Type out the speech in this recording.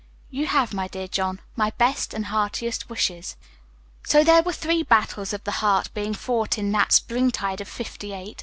"You have, my dear John, my best and heartiest wishes." So there were three battles of the heart being fought in that springtide of fifty eight.